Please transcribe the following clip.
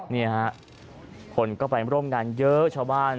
นี่ฮะคนก็ไปร่วมงานเยอะชาวบ้าน